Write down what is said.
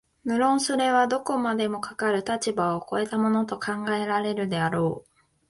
無論それはどこまでもかかる立場を越えたものと考えられるであろう、